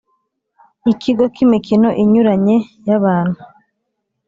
Ikigo k’imikino inyuranye y’abantu